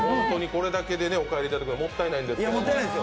これだけでお帰りいただくのはもったいないんですけど。